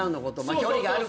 距離があるから。